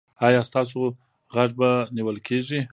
ایا ستاسو غږ به نیول کیږي؟